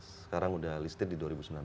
sekarang sudah listed di dua ribu sembilan belas